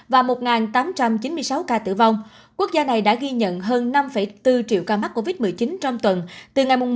và một tám trăm chín mươi sáu ca tử vong quốc gia này đã ghi nhận hơn năm bốn triệu ca mắc covid một mươi chín trong tuần từ ngày một mươi ba